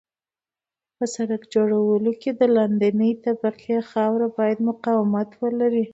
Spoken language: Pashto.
په سرک جوړونه کې د لاندنۍ طبقې خاوره باید مقاومت ولري